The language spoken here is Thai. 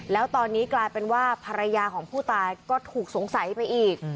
แล้วตอนนี้กลายเป็นว่าภรรยาของผู้ตายก็ถูกสงสัยไปอีก